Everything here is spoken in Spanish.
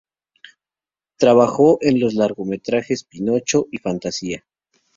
Trabajó en los largometrajes Pinocho y Fantasía.